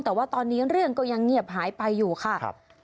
แต่ว่าตอนนี้เรื่องก็ยังเงียบหายไปอยู่ค่ะ